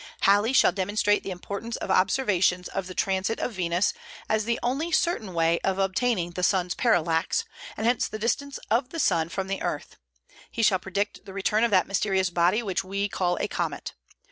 Halley shall demonstrate the importance of observations of the transit of Venus as the only certain way of obtaining the sun's parallax, and hence the distance of the sun from the earth; he shall predict the return of that mysterious body which we call a comet.